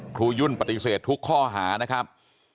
ยุ่นปฏิเสธทุกข้อหานะครับ